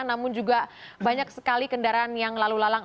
namun juga banyak sekali kendaraan yang lalu lalang